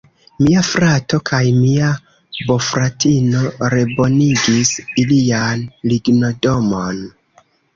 Mia frato kaj mia bofratino rebonigis ilian lignodomon.